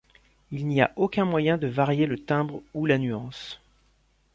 Il n'y a aucun moyen de varier le timbre ou la nuance.